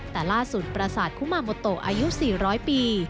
แต่ล่าสุดประสาทคุมาโมโตอายุ๔๐๐ปี